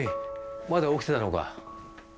まだ起きてたのか。